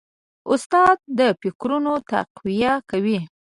استاد د فکرونو تقویه کوي.